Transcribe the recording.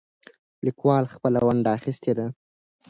لیکوال خپله ونډه اخیستې ده.